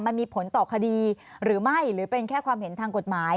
มันมีผลต่อคดีหรือไม่หรือเป็นแค่ความเห็นทางกฎหมาย